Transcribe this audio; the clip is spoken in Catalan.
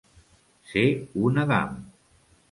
Ser un Adam.